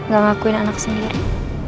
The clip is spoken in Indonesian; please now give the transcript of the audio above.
gak ngakuin anak sendiri